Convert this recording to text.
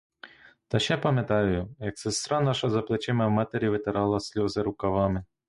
Та ще пам'ятаю, як сестра наша за плечима в матері витирала сльози рукавами.